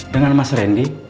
dengan mas randy